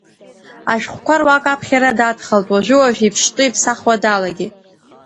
Ашәҟәқәа руак аԥхьара дадхалт, уажәы-уажәы иԥштәы иԥсахуа далагеит.